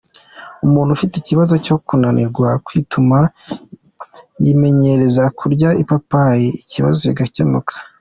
Umuntu ufite ikibazo cyo kunanirwa kwituma, yimenyereza kurya ipapayi ikibazo kigakemuka.